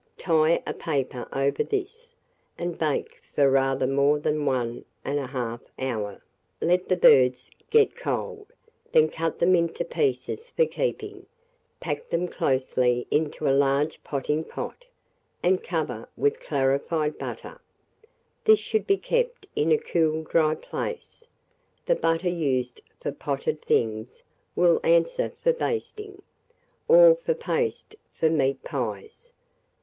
Tie a paper over this, and bake for rather more than 1 1/2 hour; let the birds get cold, then cut them into pieces for keeping, pack them closely into a large potting pot, and cover with clarified butter. This should be kept in a cool dry place. The butter used for potted things will answer for basting, or for paste for meat pies.